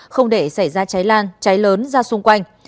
không để xảy ra cháy lan cháy lớn ra xung quanh